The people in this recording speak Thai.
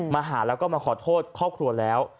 มาหาแล้วก็มาขอโทษครอบครัวแล้ว